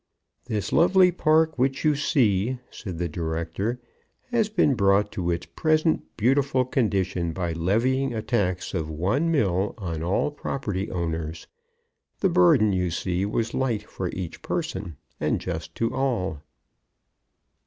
"This lovely park which you see," said the director, "has been brought to its present beautiful condition by levying a tax of one mill on all property owners. The burden, you see, was light for each person, and just to all."